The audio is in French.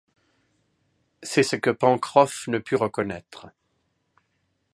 C’est ce que Pencroff ne put reconnaître.